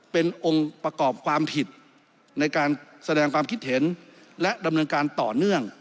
เป็นองค์ประกอบความผิดในการแสดงความคิดเห็นและดำเนินการต่อเนื่อง